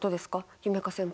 夢叶先輩。